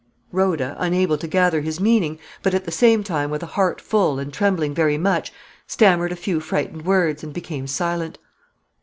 Rhoda, unable to gather his meaning, but, at the same time, with a heart full and trembling very much, stammered a few frightened words, and became silent.